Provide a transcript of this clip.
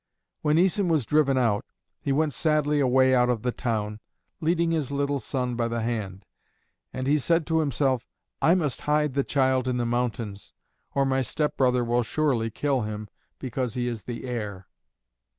When Æson was driven out, he went sadly away out of the town, leading his little son by the hand. And he said to himself, "I must hide the child in the mountains, or my stepbrother will surely kill him because he is the heir."